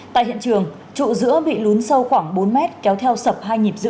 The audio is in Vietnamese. tại hiện trường trụ giữa bị lún sâu khoảng bốn mét kéo theo sập hai nhịp giữa